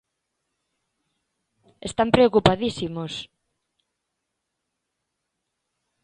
¡Están preocupadísimos!